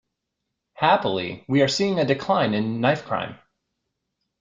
Happily, we are seeing a decline in knife crime.